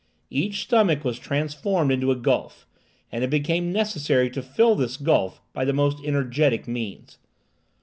Each stomach was transformed into a gulf, and it became necessary to fill this gulf by the most energetic means.